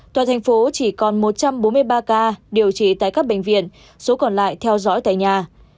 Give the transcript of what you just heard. toàn thành phố chỉ còn một trăm bốn mươi ba ca điều trị tại các bệnh viện số còn lại theo dõi tại nhà